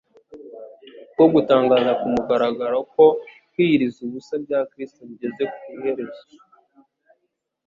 bwo gutangaza ku mugaragaro ko kwiyiriza ubusa bya Kristo bigeze ku iherezo